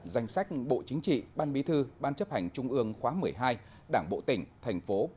danh sách bộ chính trị ban bí thư ban chấp hành trung ương khóa một mươi hai đảng bộ tỉnh thành phố